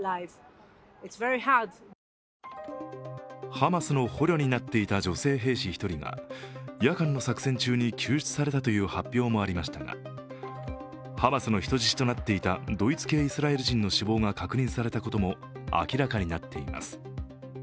ハマスの捕虜となっていた女性兵士１人が夜間の作戦中に救出されたという発表もありましたがハマスの人質となっていたドイツ系イスラエル人の死亡が確認されたことも明らかになっています。